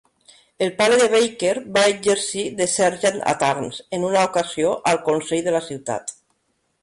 El pare de Baker va exercir de "sergeant-at-arms" en una ocasió al consell de la ciutat.